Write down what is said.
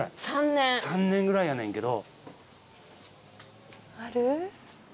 ３年ぐらいやねんけど。